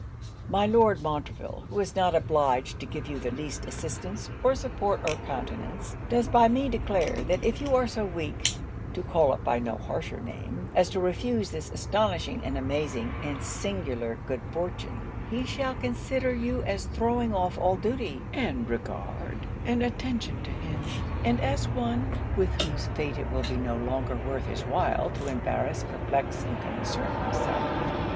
'My Lord Montreville, who is not obliged to give you the least assistance, or support, or countenance, does by me declare, that if you are so weak (to call it by no harsher name) as to refuse this astonishing, and amazing, and singular good fortune, he shall consider you as throwing off all duty, and regard, and attention to him; and as one, with whose fate it will be no longer worth his while to embarrass, perplex, and concern himself.